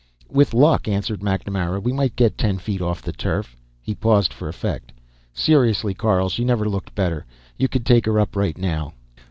"With luck," answered MacNamara, "we might get ten feet off the turf." He paused for effect. "Seriously, Carl, she never looked better. You could take her up right now.